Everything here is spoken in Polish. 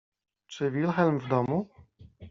— Czy Wilhelm w domu?